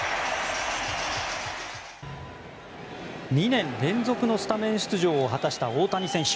２年連続のスタメン出場を果たした大谷選手。